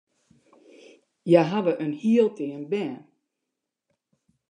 Hja hawwe in hiel team bern.